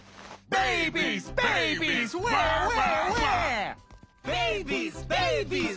ベイビーズ！